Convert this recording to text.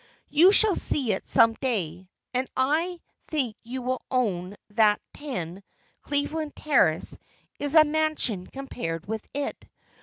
You shall see it some day, and I think you will own that Ten, Cleveland Terrace, is a mansion compared with it.